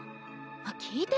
あっ聞いて！